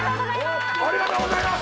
ありがとうございます！